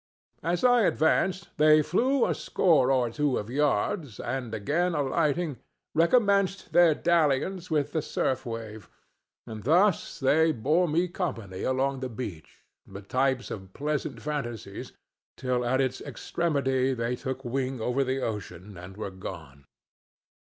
As I advanced they flew a score or two of yards, and, again alighting, recommenced their dalliance with the surf wave; and thus they bore me company along the beach, the types of pleasant fantasies, till at its extremity they took wing over the ocean and were gone.